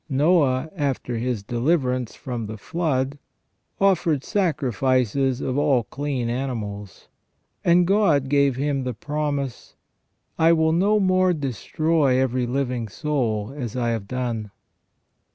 Noe after his deliverance from the flood offered sacrifices of all clean animals ; and God gave him the promise :" I will no more destroy every living soul as I have done